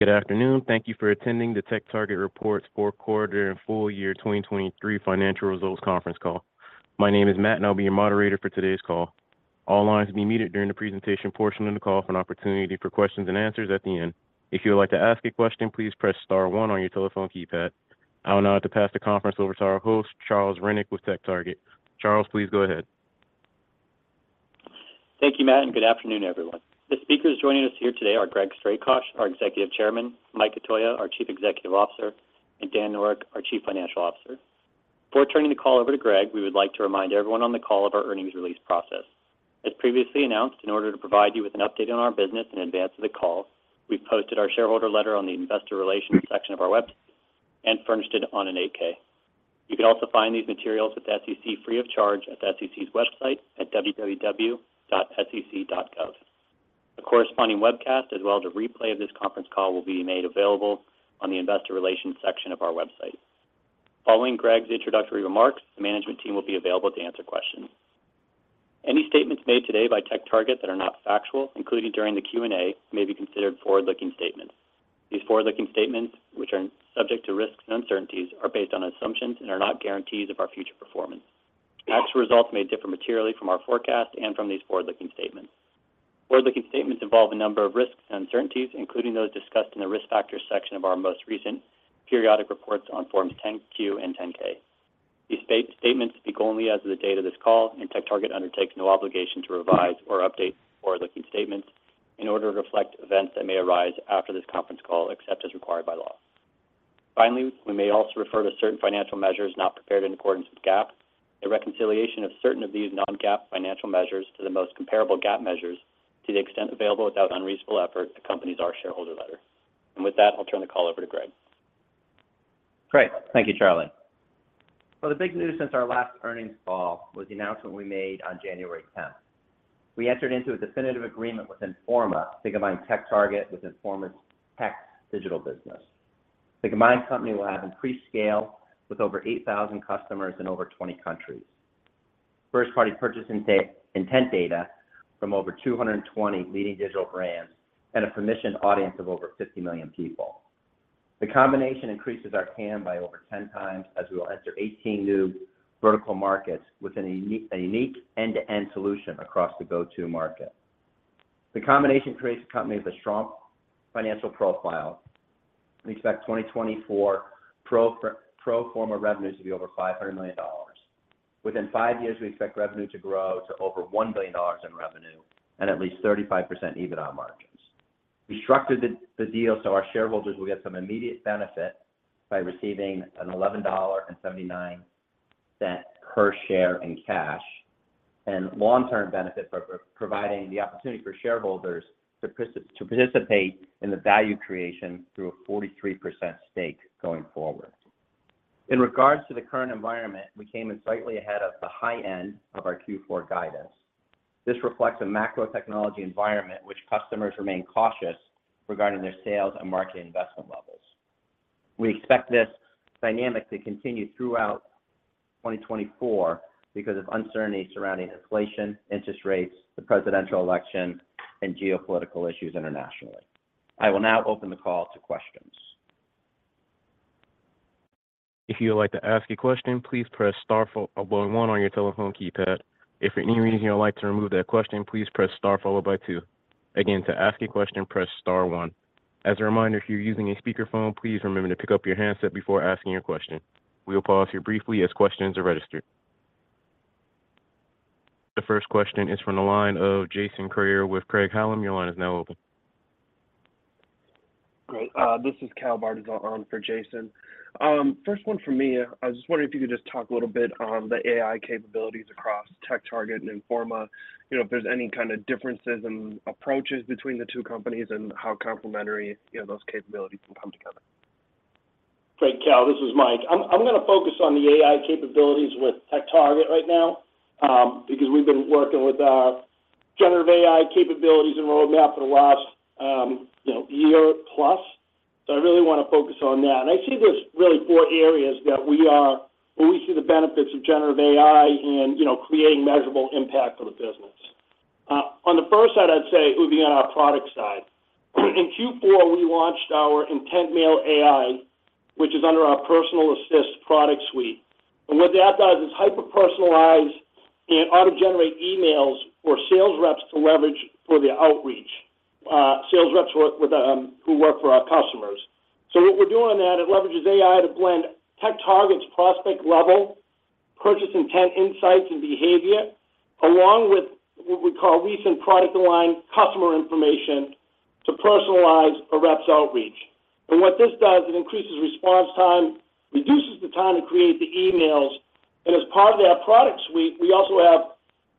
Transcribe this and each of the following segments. Good afternoon. Thank you for attending the TechTarget's Reports fourth quarter and full year 2023 financial results conference call. My name is Matt, and I'll be your moderator for today's call. All lines will be muted during the presentation portion of the call for an opportunity for questions and answers at the end. If you would like to ask a question, please press star one on your telephone keypad. I would now like to pass the conference over to our host, Charles Rennick, with TechTarget. Charles, please go ahead. Thank you, Matt, and good afternoon, everyone. The speakers joining us here today are Greg Strakosch, our Executive Chairman, Mike Cotoia, our Chief Executive Officer, and Dan Noreck, our Chief Financial Officer. Before turning the call over to Greg, we would like to remind everyone on the call of our earnings release process. As previously announced, in order to provide you with an update on our business in advance of the call, we've posted our shareholder letter on the investor relations section of our website and furnished it on an 8-K. You can also find these materials with the SEC free of charge at the SEC's website at www.sec.gov. A corresponding webcast, as well as a replay of this conference call, will be made available on the investor relations section of our website. Following Greg's introductory remarks, the management team will be available to answer questions. Any statements made today by TechTarget that are not factual, including during the Q&A, may be considered forward-looking statements. These forward-looking statements, which are subject to risks and uncertainties, are based on assumptions and are not guarantees of our future performance. Actual results may differ materially from our forecast and from these forward-looking statements. Forward-looking statements involve a number of risks and uncertainties, including those discussed in the risk factors section of our most recent periodic reports on Forms 10-Q and 10-K. These statements speak only as of the date of this call, and TechTarget undertakes no obligation to revise or update forward-looking statements in order to reflect events that may arise after this conference call, except as required by law. Finally, we may also refer to certain financial measures not prepared in accordance with GAAP. A reconciliation of certain of these non-GAAP financial measures to the most comparable GAAP measures, to the extent available without unreasonable effort, accompanies our shareholder letter. With that, I'll turn the call over to Greg. Great. Thank you, Charlie. Well, the big news since our last earnings call was the announcement we made on January tenth. We entered into a definitive agreement with Informa to merge TechTarget with Informa's Tech digital business. The combined company will have increased scale with over 8,000 customers in over 20 countries. First-party purchase intent data from over 220 leading digital brands and a permission audience of over 50 million people. The combination increases our TAM by over 10 times, as we will enter 18 new vertical markets with a unique end-to-end solution across the go-to market. The combination creates a company with a strong financial profile. We expect 2024 pro forma revenues to be over $500 million. Within five years, we expect revenue to grow to over $1 billion in revenue and at least 35% EBITDA margins. We structured the deal so our shareholders will get some immediate benefit by receiving an $11.79 per share in cash, and long-term benefit by providing the opportunity for shareholders to participate in the value creation through a 43% stake going forward. In regards to the current environment, we came in slightly ahead of the high end of our Q4 guidance. This reflects a macro technology environment in which customers remain cautious regarding their sales and marketing investment levels. We expect this dynamic to continue throughout 2024 because of uncertainty surrounding inflation, interest rates, the presidential election, and geopolitical issues internationally. I will now open the call to questions. If you would like to ask a question, please press star one on your telephone keypad. If for any reason you would like to remove that question, please press star followed by two. Again, to ask a question, press star one. As a reminder, if you're using a speakerphone, please remember to pick up your handset before asking your question. We will pause here briefly as questions are registered. The first question is from the line of Jason Kreyer with Craig-Hallum. Your line is now open. Great. This is Cal Bartyzal for Jason. First one for me. I was just wondering if you could just talk a little bit on the AI capabilities across TechTarget and Informa. You know, if there's any kind of differences in approaches between the two companies and how complementary, you know, those capabilities can come together. Great, Cal, this is Mike. I'm gonna focus on the AI capabilities with TechTarget right now, because we've been working with our generative AI capabilities and roadmap for the last, you know, year plus. So I really want to focus on that. And I see there's really four areas that we are where we see the benefits of generative AI in, you know, creating measurable impact for the business. On the first side, I'd say it would be on our product side. In Q4, we launched our IntentMail AI, which is under our Personal Assist product suite. And what that does is hyper-personalize and auto-generate emails for sales reps to leverage for their outreach, sales reps work with who work for our customers. So what we're doing on that, it leverages AI to blend TechTarget's prospect level, purchase intent, insights, and behavior, along with what we call recent product line customer information, to personalize a rep's outreach. And what this does, it increases response time, reduces the time to create the emails, and as part of their product suite, we also have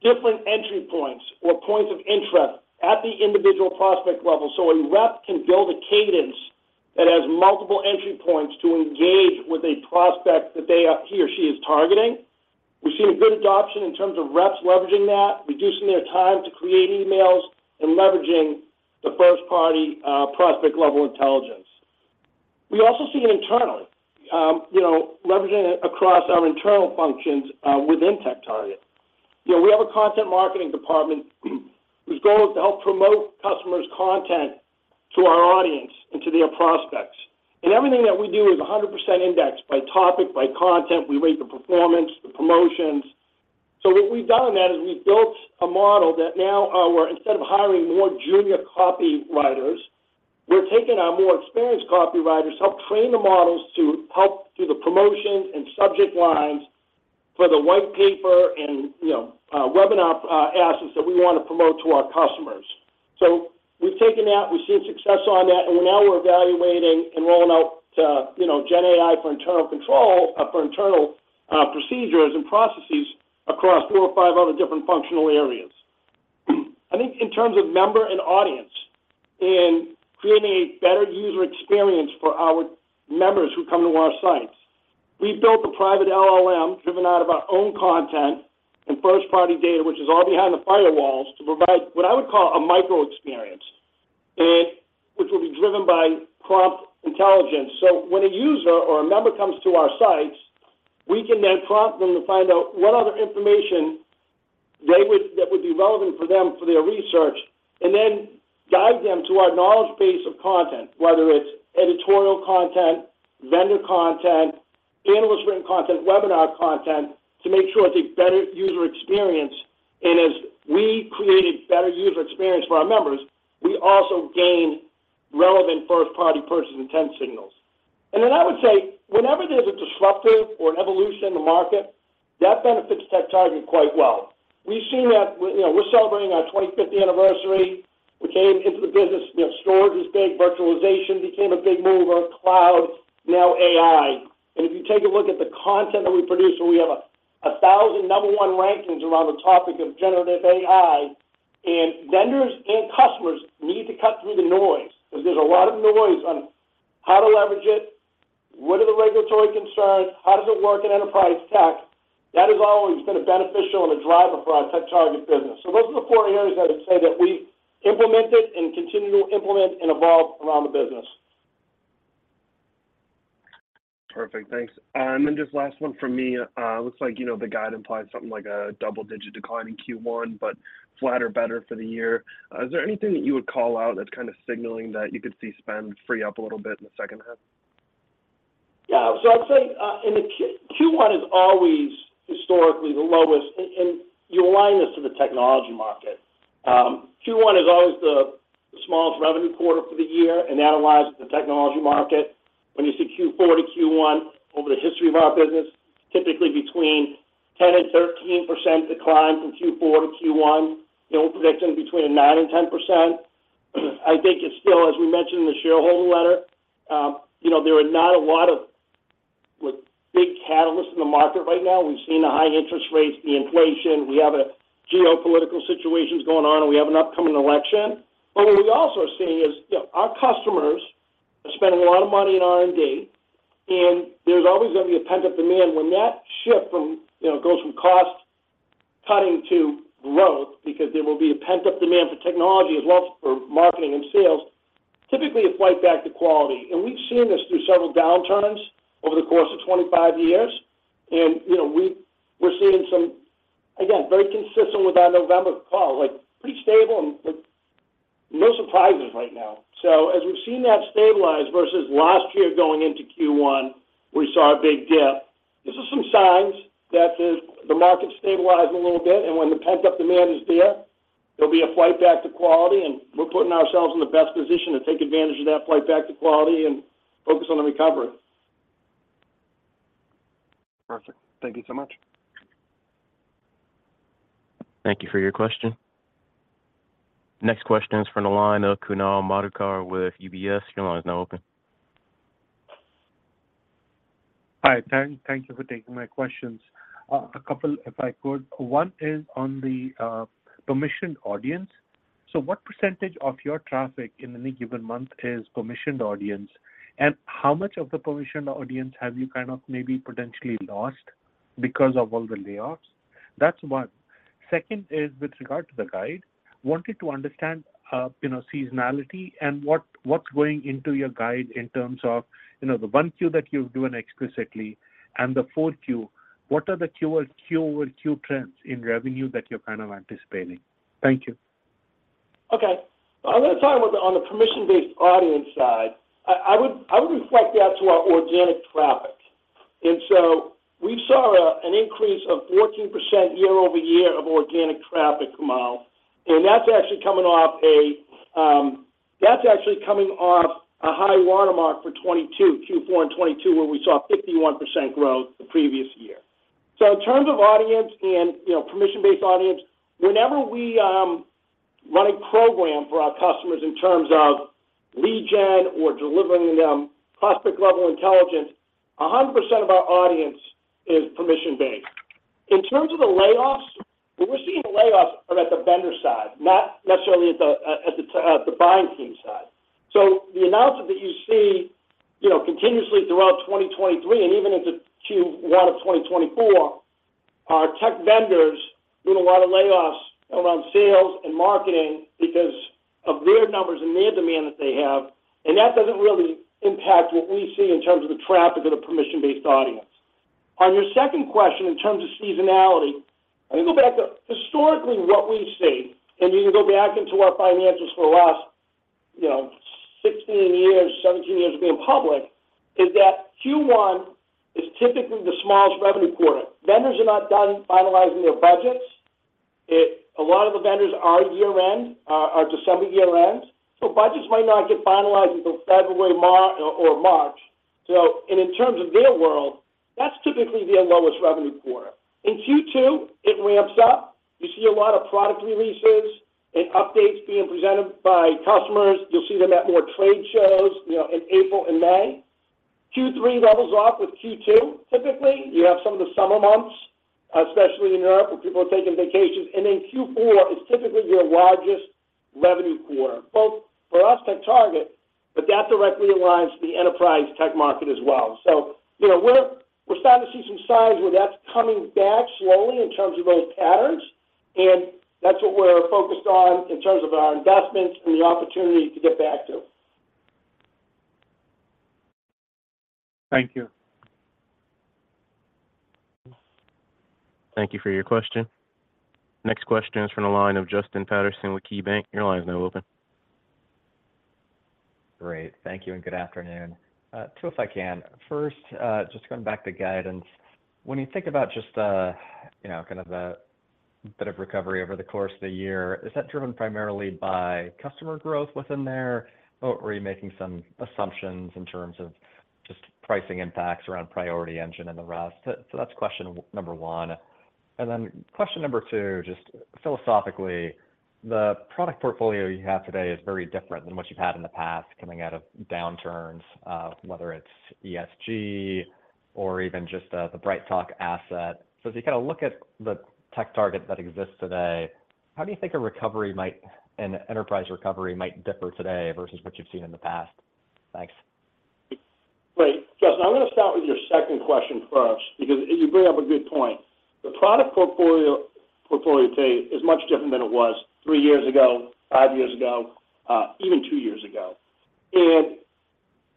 different entry points or points of interest at the individual prospect level. So a rep can build a cadence that has multiple entry points to engage with a prospect that they are-- he or she is targeting. We've seen a good adoption in terms of reps leveraging that, reducing their time to create emails, and leveraging the first-party, prospect-level intelligence. We also see it internally, you know, leveraging it across our internal functions, within TechTarget. You know, we have a content marketing department whose goal is to help promote customers' content to our audience and to their prospects. And everything that we do is 100% indexed by topic, by content. We rate the performance, the promotions. So what we've done on that is we've built a model that now, we're instead of hiring more junior copywriters, we're taking our more experienced copywriters to help train the models to help do the promotions and subject lines for the white paper and, you know, webinar, assets that we want to promote to our customers. So we've taken that, we've seen success on that, and now we're evaluating and rolling out, you know, gen AI for internal control, for internal, procedures and processes across four or five other different functional areas. I think in terms of member and audience, in creating a better user experience for our members who come to our sites, we've built a private LLM, driven out of our own content and first-party data, which is all behind the firewalls, to provide what I would call a micro experience, and which will be driven by prompt intelligence. So when a user or a member comes to our sites, we can then prompt them to find out what other information that would be relevant for them for their research, and then guide them to our knowledge base of content, whether it's editorial content, vendor content, analyst-written content, webinar content, to make sure it's a better user experience. As we created better user experience for our members, we also gained relevant first-party purchase intent signals. Then I would say, whenever there's a disruptive or an evolution in the market, that benefits TechTarget quite well. We've seen that, you know, we're celebrating our 25th anniversary. We came into the business, you know, storage was big, virtualization became a big mover, cloud, now AI. And if you take a look at the content that we produce, where we have 1,000 number one rankings around the topic of generative AI, and vendors and customers need to cut through the noise, because there's a lot of noise on how to leverage it, what are the regulatory concerns, how does it work in enterprise tech? That has always been a beneficial and a driver for our TechTarget business. So those are the four areas I'd say that we implemented and continue to implement and evolve around the business. Perfect. Thanks. And then just last one from me. It looks like, you know, the guide implies something like a double-digit decline in Q1, but flat or better for the year. Is there anything that you would call out that's kind of signaling that you could see spend free up a little bit in the H2? Yeah, so I'd say, in the Q1 is always historically the lowest, and you align this to the technology market. Q1 is always the smallest revenue quarter for the year, and that aligns with the technology market. When you see Q4 to Q1, over the history of our business, typically between 10%-13% decline from Q4 to Q1. We're predicting between 9%-10%. I think it's still, as we mentioned in the shareholder letter, you know, there are not a lot of, like, big catalysts in the market right now. We've seen the high interest rates, the inflation, we have a geopolitical situations going on, and we have an upcoming election. But what we also are seeing is, you know, our customers are spending a lot of money in R&D, and there's always going to be a pent-up demand. When that shift from, you know, goes from cost cutting to growth, because there will be a pent-up demand for technology as well as for marketing and sales, typically, it's right back to quality. And we've seen this through several downturns over the course of 25 years, and, you know, we're seeing some... Again, very consistent with our November call, like pretty stable and, like, no surprises right now. So as we've seen that stabilize versus last year, going into Q1, we saw a big dip. This is some signs that the market's stabilizing a little bit, and when the pent-up demand is there, there'll be a flight back to quality, and we're putting ourselves in the best position to take advantage of that flight back to quality and focus on the recovery. Perfect. Thank you so much. Thank you for your question. Next question is from the line of Kunal Madhukar with UBS. Your line is now open. Hi, thank you for taking my questions. A couple, if I could. One is on the permissioned audience. So what percentage of your traffic in any given month is permissioned audience? And how much of the permissioned audience have you kind of maybe potentially lost because of all the layoffs? That's one. Second is with regard to the guide. Wanted to understand you know, seasonality and what's going into your guide in terms of you know, the Q1 that you're doing explicitly and the Q4, what are the Q-over-Q-over-Q trends in revenue that you're kind of anticipating? Thank you. Okay. I want to talk about the... On the permission-based audience side, I would reflect that to our organic traffic. And so we saw an increase of 14% year-over-year of organic traffic, Kunal, and that's actually coming off a high watermark for 2022, Q4 in 2022, where we saw 51% growth the previous year. So in terms of audience and, you know, permission-based audience, whenever we run a program for our customers in terms of lead gen or delivering them prospect-level intelligence, 100% of our audience is permission-based. In terms of the layoffs, what we're seeing the layoffs are at the vendor side, not necessarily at the buying team side. So the announcement that you see, you know, continuously throughout 2023 and even into Q1 of 2024... Our tech vendors doing a lot of layoffs around sales and marketing because of their numbers and their demand that they have, and that doesn't really impact what we see in terms of the traffic and the permission-based audience. On your second question, in terms of seasonality, let me go back to historically, what we've seen, and you can go back into our financials for the last, you know, 16 years, 17 years of being public, is that Q1 is typically the smallest revenue quarter. Vendors are not done finalizing their budgets. It a lot of the vendors are year-end, are December year-end, so budgets might not get finalized until February, March, or March. So, and in terms of their world, that's typically their lowest revenue quarter. In Q2, it ramps up. You see a lot of product releases and updates being presented by customers. You'll see them at more trade shows, you know, in April and May. Q3 levels off with Q2, typically. You have some of the summer months, especially in Europe, where people are taking vacations. Then Q4 is typically their largest revenue quarter, both for us TechTarget, but that directly aligns the enterprise tech market as well. So you know, we're, we're starting to see some signs where that's coming back slowly in terms of those patterns, and that's what we're focused on in terms of our investments and the opportunity to get back to. Thank you. Thank you for your question. Next question is from the line of Justin Patterson with KeyBanc. Your line is now open. Great. Thank you and good afternoon. Two, if I can. First, just going back to guidance. When you think about just, you know, kind of the bit of recovery over the course of the year, is that driven primarily by customer growth within there, or are you making some assumptions in terms of just pricing impacts around Priority Engine and the rest? So that's question number one. And then question number two, just philosophically, the product portfolio you have today is very different than what you've had in the past, coming out of downturns, whether it's ESG or even just the BrightTALK asset. So as you kind of look at the TechTarget that exists today, how do you think an enterprise recovery might differ today versus what you've seen in the past? Thanks. Great. Justin, I'm going to start with your second question first, because you bring up a good point. The product portfolio, portfolio today is much different than it was 3 years ago, 5 years ago, even 2 years ago, and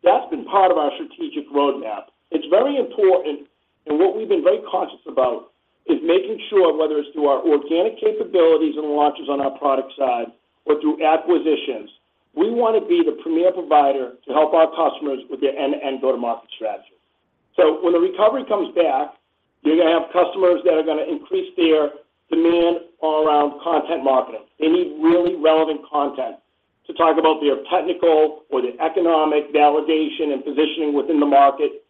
that's been part of our strategic roadmap. It's very important, and what we've been very conscious about, is making sure whether it's through our organic capabilities and launches on our product side or through acquisitions, we want to be the premier provider to help our customers with their end-to-end go-to-market strategies. So when the recovery comes back, you're going to have customers that are going to increase their demand all around content marketing. They need really relevant content to talk about their technical or their economic validation and positioning within the market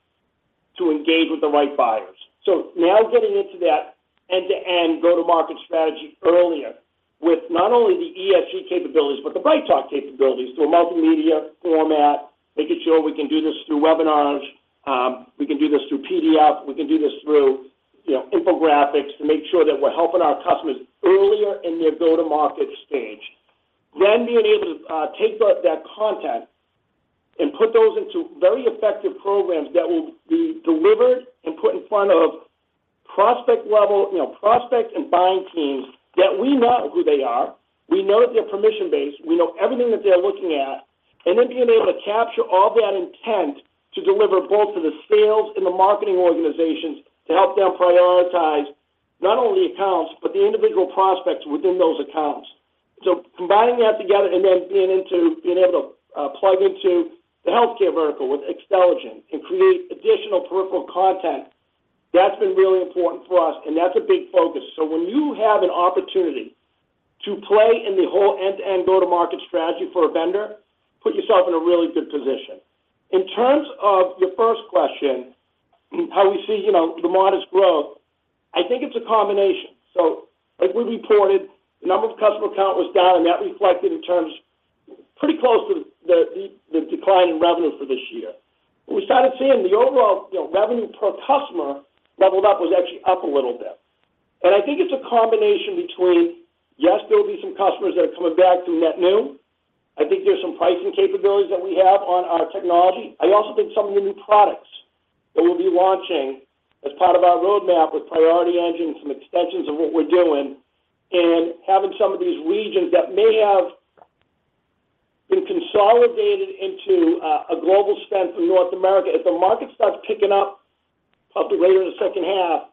to engage with the right buyers. So now getting into that end-to-end go-to-market strategy earlier with not only the ESG capabilities, but the BrightTALK capabilities, through a multimedia format, making sure we can do this through webinars, we can do this through PDF, we can do this through, you know, infographics to make sure that we're helping our customers earlier in their go-to-market stage. Then being able to take that, that content and put those into very effective programs that will be delivered and put in front of prospect level, you know, prospects and buying teams, that we know who they are, we know they're permission-based, we know everything that they're looking at, and then being able to capture all that intent to deliver both to the sales and the marketing organizations to help them prioritize not only accounts, but the individual prospects within those accounts. So combining that together and then being able to plug into the healthcare vertical with Xtelligent and create additional peripheral content, that's been really important for us, and that's a big focus. So when you have an opportunity to play in the whole end-to-end go-to-market strategy for a vendor, put yourself in a really good position. In terms of your first question, how we see, you know, the modest growth, I think it's a combination. So as we reported, the number of customer count was down, and that reflected in terms pretty close to the decline in revenue for this year. We started seeing the overall, you know, revenue per customer leveled up, was actually up a little bit. And I think it's a combination between, yes, there will be some customers that are coming back through net new. I think there's some pricing capabilities that we have on our technology. I also think some of the new products that we'll be launching as part of our roadmap with Priority Engine, some extensions of what we're doing, and having some of these regions that may have been consolidated into a global spend from North America, if the market starts picking up, possibly later in the second half,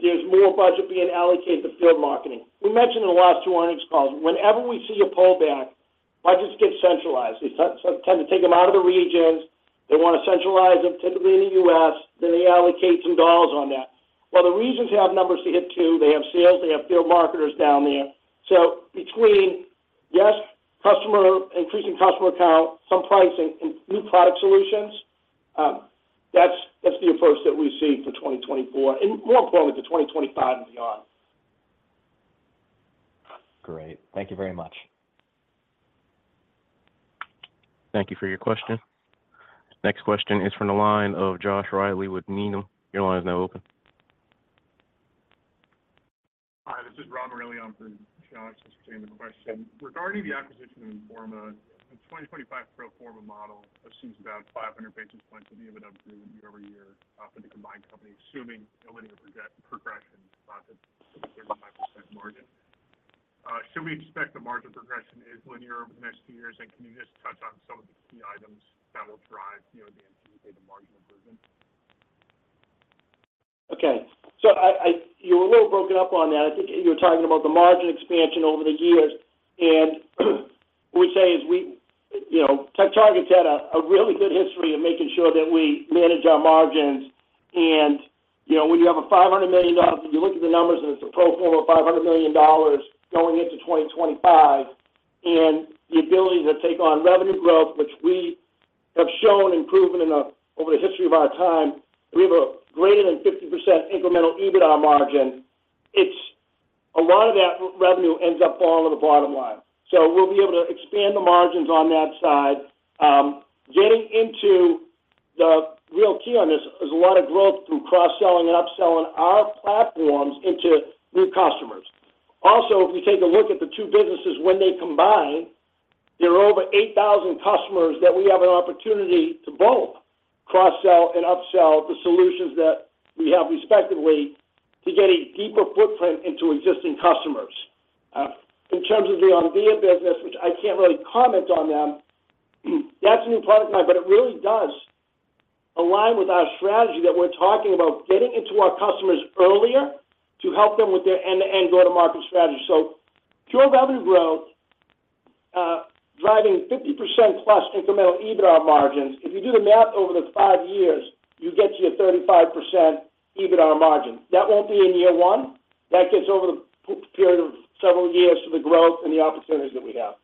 there's more budget being allocated to field marketing. We mentioned in the last two earnings calls, whenever we see a pullback, budgets get centralized. They tend to take them out of the regions. They want to centralize them, typically in the U.S., then they allocate some dollars on that. Well, the regions have numbers to hit, too. They have sales, they have field marketers down there. So between, yes, customer-increasing customer count, some pricing and new product solutions, that's the approach that we see for 2024 and more importantly, for 2025 and beyond. Great. Thank you very much. Thank you for your question. Next question is from the line of Josh Reilly with Needham. Your line is now open. Hi, this is Radon Mirfakhraie from him. Regarding the acquisition of Informa, the 2025 pro forma model assumes about 500 basis points of EBITDA growth year-over-year for the combined company, assuming a linear progression to 35% margin. Should we expect the margin progression is linear over the next few years, and can you just touch on some of the key items that will drive, you know, the EBITDA margin improvement? Okay. So you were a little broken up on that. I think you were talking about the margin expansion over the years. And what we say is we, you know, TechTarget's had a really good history of making sure that we manage our margins. And, you know, when you have a $500 million, and you look at the numbers, and it's a pro forma of $500 million going into 2025, and the ability to take on revenue growth, which we have shown and proven over the history of our time, we have a greater than 50% incremental EBITDA margin. It's a lot of that revenue ends up falling on the bottom line. So we'll be able to expand the margins on that side. Getting into the real key on this, there's a lot of growth through cross-selling and upselling our platforms into new customers. Also, if we take a look at the two businesses, when they combine, there are over 8,000 customers that we have an opportunity to both cross-sell and upsell the solutions that we have, respectively, to get a deeper footprint into existing customers. In terms of the Omdia business, which I can't really comment on them, that's a new product line, but it really does align with our strategy that we're talking about getting into our customers earlier to help them with their end-to-end go-to-market strategy. So pure revenue growth, driving 50%+ incremental EBITDA margins, if you do the math over the five years, you get to your 35% EBITDA margin. That won't be in year one. That gets over the period of several years for the growth and the opportunities that we have.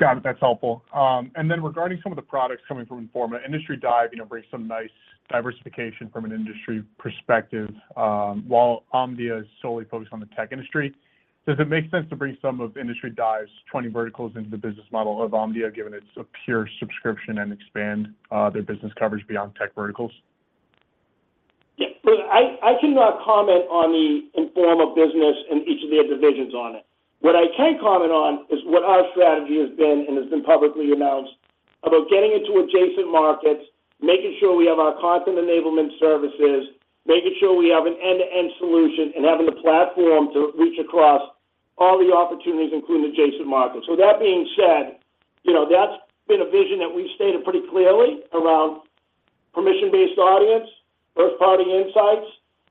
Got it. That's helpful. And then regarding some of the products coming from Informa, Industry Dive, you know, brings some nice diversification from an industry perspective, while Omdia is solely focused on the tech industry. Does it make sense to bring some of Industry Dive's 20 verticals into the business model of Omdia, given it's a pure subscription, and expand their business coverage beyond tech verticals? Yeah. Well, I cannot comment on the Informa business and each of their divisions on it. What I can comment on is what our strategy has been, and has been publicly announced, about getting into adjacent markets, making sure we have our content enablement services, making sure we have an end-to-end solution, and having the platform to reach across all the opportunities, including adjacent markets. So that being said, you know, that's been a vision that we've stated pretty clearly around permission-based audience, first-party insights,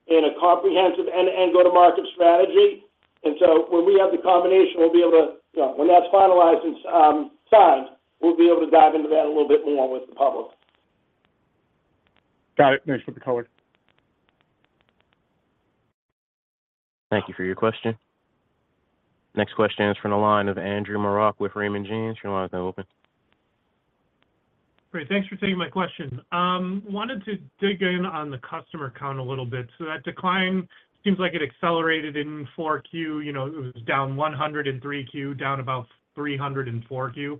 and a comprehensive end-to-end go-to-market strategy. And so when that's finalized and signed, we'll be able to dive into that a little bit more with the public. Got it. Thanks for the color. Thank you for your question. Next question is from the line of Andrew Marok with Raymond James. Your line is now open. Great. Thanks for taking my question. Wanted to dig in on the customer count a little bit. So that decline seems like it accelerated in 4Q. You know, it was down 100 in 3Q, down about 300 in 4Q. What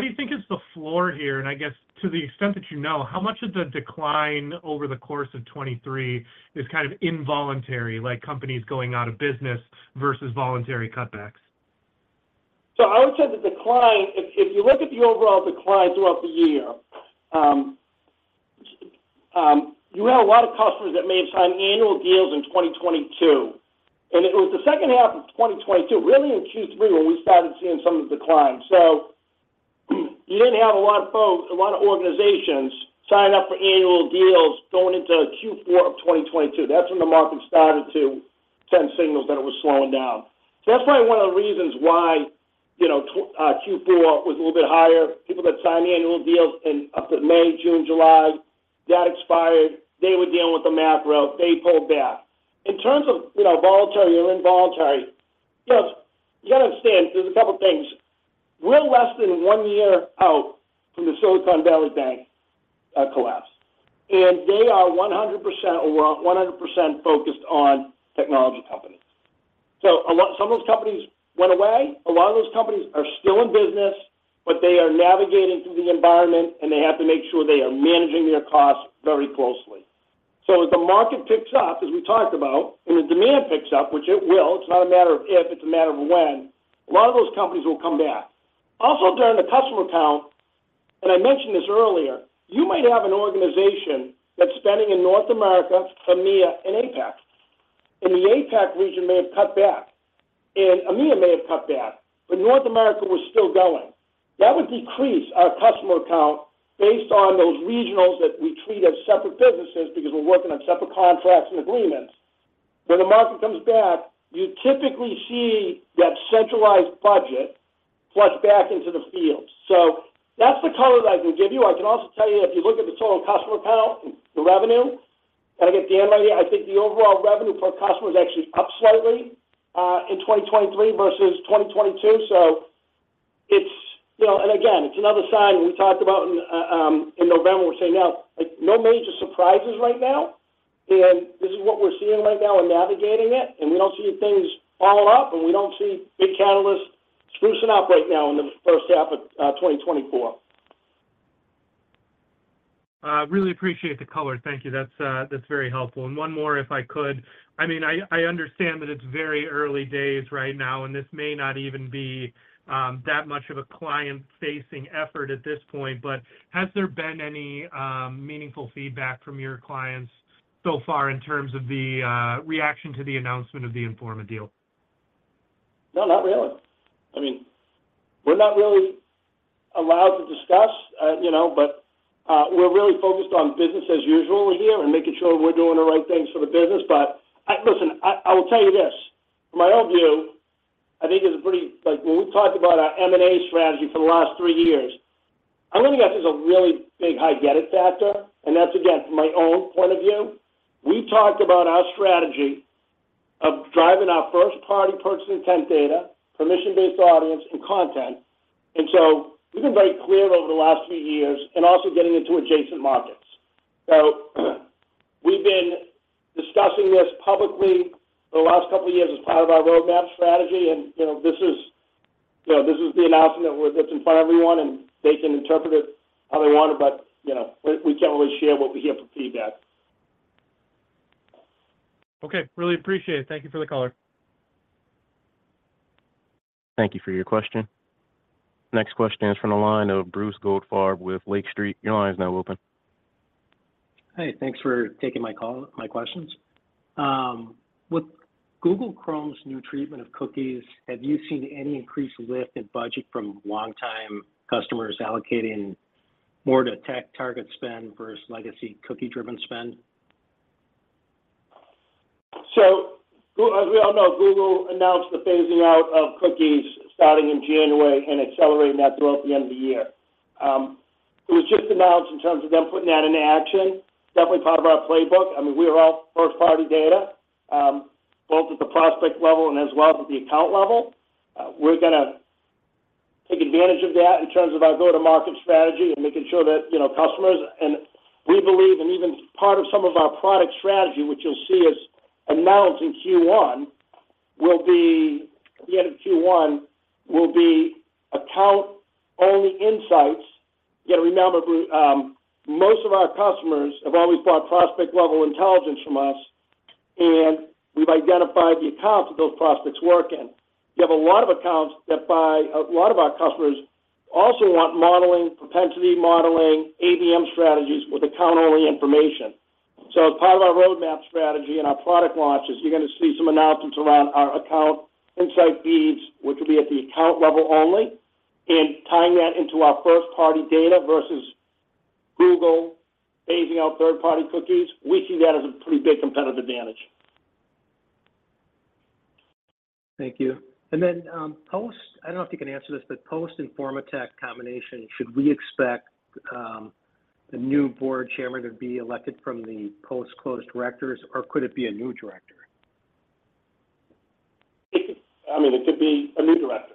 do you think is the floor here? And I guess, to the extent that you know, how much of the decline over the course of 2023 is kind of involuntary, like companies going out of business versus voluntary cutbacks? So I would say the decline, if you look at the overall decline throughout the year, you had a lot of customers that may have signed annual deals in 2022, and it was the second half of 2022, really in Q3, where we started seeing some of the decline. So, you didn't have a lot of folks, a lot of organizations sign up for annual deals going into Q4 of 2022. That's when the market started to send signals that it was slowing down. So that's probably one of the reasons why, you know, Q4 was a little bit higher. People that signed the annual deals in up to May, June, July, that expired. They were dealing with the macro. They pulled back. In terms of, you know, voluntary or involuntary, you know, you got to understand, there's a couple things. We're less than one year out from the Silicon Valley Bank collapse, and they are 100%, 100% focused on technology companies. So a lot, some of those companies went away. A lot of those companies are still in business, but they are navigating through the environment, and they have to make sure they are managing their costs very closely. So as the market picks up, as we talked about, and the demand picks up, which it will, it's not a matter of if, it's a matter of when, a lot of those companies will come back. Also, during the customer count, and I mentioned this earlier, you might have an organization that's spending in North America, EMEA, and APAC, and the APAC region may have cut back, and EMEA may have cut back, but North America was still going. That would decrease our customer count based on those regionals that we treat as separate businesses because we're working on separate contracts and agreements. When the market comes back, you typically see that centralized budget flush back into the field. So that's the color that I can give you. I can also tell you, if you look at the total customer count, the revenue, and I get Dan right here, I think the overall revenue per customer is actually up slightly in 2023 versus 2022. So it's, you know, and again, it's another sign we talked about in November. We're saying, now, like, no major surprises right now, and this is what we're seeing right now. We're navigating it, and we don't see things falling off, and we don't see big catalysts sprucing up right now in the first half of 2024.... Really appreciate the color. Thank you. That's very helpful. And one more, if I could. I mean, I understand that it's very early days right now, and this may not even be that much of a client-facing effort at this point, but has there been any meaningful feedback from your clients so far in terms of the reaction to the announcement of the Informa deal? No, not really. I mean, we're not really allowed to discuss, you know, but, we're really focused on business as usual here and making sure we're doing the right things for the business. But, listen, I will tell you this, from my own view, I think it's pretty... Like, when we talked about our M&A strategy for the last three years, I really think there's a really big hygienic factor, and that's, again, from my own point of view. We talked about our strategy of driving our first-party purchase intent data, permission-based audience, and content. And so we've been very clear over the last few years and also getting into adjacent markets. So, we've been discussing this publicly for the last couple of years as part of our roadmap strategy. You know, this is, you know, this is the announcement that we're, that's in front of everyone, and they can interpret it how they want it, but, you know, we can't really share what we hear for feedback. Okay. Really appreciate it. Thank you for the color. Thank you for your question. Next question is from the line of Bruce Goldfarb with Lake Street. Your line is now open. Hey, thanks for taking my call, my questions. With Google Chrome's new treatment of cookies, have you seen any increased lift in budget from long-time customers allocating more to TechTarget spend versus legacy cookie-driven spend? So as we all know, Google announced the phasing out of cookies starting in January and accelerating that throughout the end of the year. It was just announced in terms of them putting that into action. Definitely part of our playbook. I mean, we are all first-party data, both at the prospect level and as well as at the account level. We're gonna take advantage of that in terms of our go-to-market strategy and making sure that, you know, customers... and we believe, and even part of some of our product strategy, which you'll see us announce in Q1, will be, at the end of Q1, will be account-only insights. You gotta remember, Bruce, most of our customers have always bought prospect-level intelligence from us, and we've identified the accounts that those prospects work in. You have a lot of accounts that buy—a lot of our customers also want modeling, propensity modeling, ABM strategies with account-only information. So as part of our roadmap strategy and our product launches, you're gonna see some announcements around our Account Insights Feed, which will be at the account level only, and tying that into our first-party data versus Google phasing out third-party cookies, we see that as a pretty big competitive advantage. Thank you. And then, post Informa Tech combination, I don't know if you can answer this, but post Informa Tech combination, should we expect the new board chairman to be elected from the post-closed directors, or could it be a new director? It could, I mean, it could be a new director.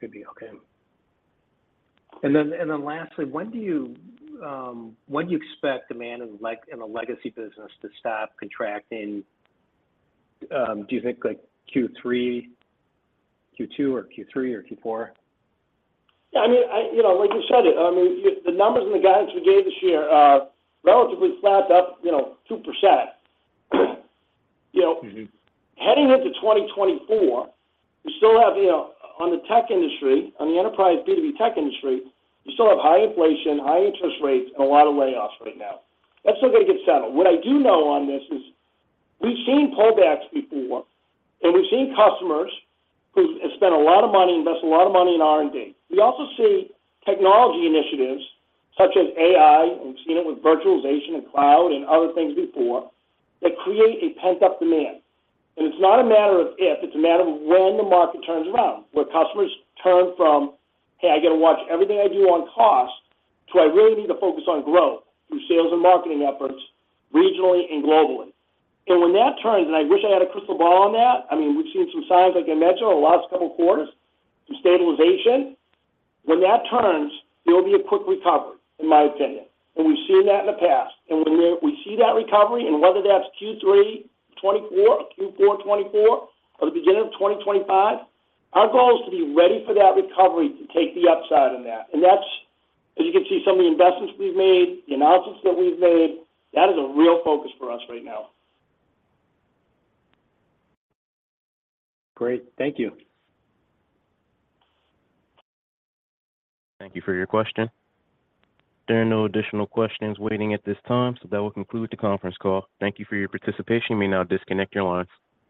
Could be, okay. And then lastly, when do you, when do you expect demand in the legacy business to stop contracting? Do you think, like, Q3, Q2, or Q3, or Q4? Yeah, I mean, you know, like you said it, I mean, the numbers and the guidance we gave this year are relatively flat up, you know, 2%. You know- Mm-hmm. Heading into 2024, we still have, you know, on the tech industry, on the enterprise B2B tech industry, we still have high inflation, high interest rates, and a lot of layoffs right now. That's still gonna get settled. What I do know on this is we've seen pullbacks before, and we've seen customers who have spent a lot of money, invest a lot of money in R&D. We also see technology initiatives such as AI, and we've seen it with virtualization and cloud and other things before, that create a pent-up demand. And it's not a matter of if, it's a matter of when the market turns around, where customers turn from, "Hey, I got to watch everything I do on cost," to, "I really need to focus on growth through sales and marketing efforts regionally and globally." And when that turns, and I wish I had a crystal ball on that, I mean, we've seen some signs, like I mentioned, over the last couple of quarters, some stabilization. When that turns, there will be a quick recovery, in my opinion. And we've seen that in the past. And when we, we see that recovery, and whether that's Q3 2024 or Q4 2024 or the beginning of 2025, our goal is to be ready for that recovery to take the upside in that. That's, as you can see, some of the investments we've made, the announcements that we've made, that is a real focus for us right now. Great. Thank you. Thank you for your question. There are no additional questions waiting at this time, so that will conclude the conference call. Thank you for your participation. You may now disconnect your lines.